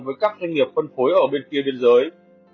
với các doanh nghiệp phân phối ở bên kia bên dưới